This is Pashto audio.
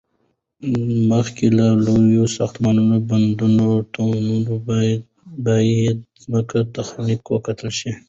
مخکې له لوړو ساختمانو، بندونو، تونل، باید ځمکه تخنیکی وکتل شي